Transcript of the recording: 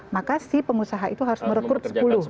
maka si pengusaha itu harus merekrut sepuluh